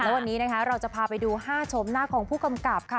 และวันนี้นะคะเราจะพาไปดู๕ชมหน้าของผู้กำกับค่ะ